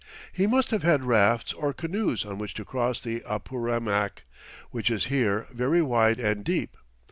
He must have had rafts or canoes on which to cross the Apurimac, which is here very wide and deep.